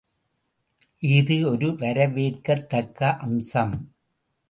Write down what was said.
இஃது ஒரு வரவேற்கத்தக்க அம்சம்.